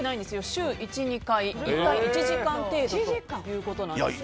週１２回、１時間程度だということです。